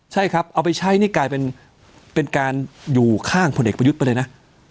ใช่ครับเอาไปใช้นี่กลายเป็นการอยู่ข้างพลเอกประยุทธ์ไปเลยนะ